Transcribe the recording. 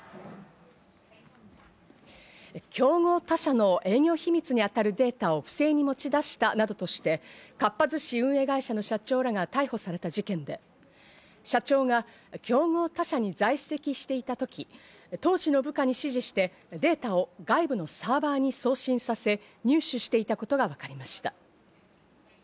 競合他社の営業秘密に当たるデータを不正に持ち出したなどとして、かっぱ寿司運営会社の社長らが逮捕された事件で、社長が競合他社に在籍していた時、当時の部下に指示してデータを外部のサーバーに送信させ入手していたことが分かりました。